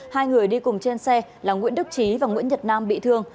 hai người đi cùng trên xe là nguyễn đức trí và nguyễn nhật nam bị thương